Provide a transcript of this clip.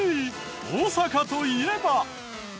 大阪といえば？